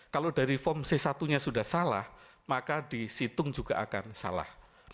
kalau dari form c satu nya sudah salah maka di situng juga akan salah